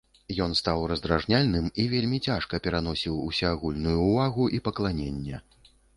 Ён стаў раздражняльным і вельмі цяжка пераносіў усеагульную ўвагу і пакланенне.